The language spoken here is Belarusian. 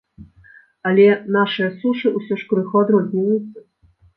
Але нашыя сушы ўсё ж крыху адрозніваюцца.